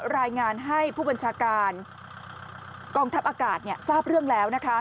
รายงานให้ผู้บัญชาการกองทัพอากาศทราบเรื่องแล้ว